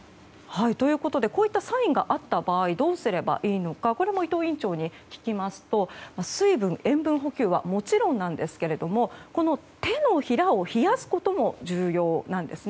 こういったサインがあった場合どうすればいいのかこれも伊藤院長に聞きますと水分・塩分補給はもちろんなんですけどこの手のひらを冷やすことも重要なんです。